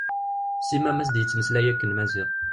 Sima mi as-d-yettmeslay akken Maziɣ.